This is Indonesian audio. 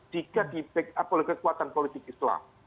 jika dipeg atau kekuatan politik islam